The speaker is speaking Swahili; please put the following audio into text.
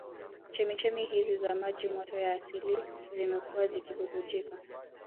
Chemchemi hizi za maji moto ya asili zimekuwa zikibubujika